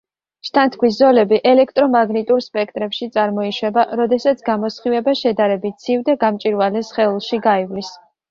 შთანთქვის ზოლები ელექტრომაგნიტურ სპექტრებში წარმოიშვება როდესაც გამოსხივება შედარებით ცივ და გამჭვირვალე სხეულში გაივლის.